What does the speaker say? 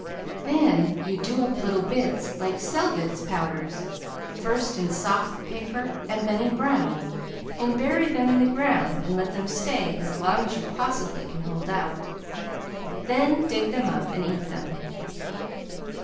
Then you do up little bits like sedlitz powders, first in soft paper and then in brown, and bury them in the ground and let them stay as long as you possibly can hold out; then dig them up and eat them.